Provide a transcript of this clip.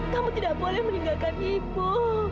kamu tidak boleh meninggalkan ibu